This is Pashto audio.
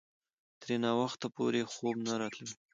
ترې ناوخته پورې خوب نه راتلو.